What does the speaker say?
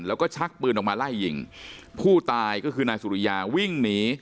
แล้วก็ชักปืนออกมาไล่ยิงผู้ตายก็คือนายสุริยาวิ่งหนี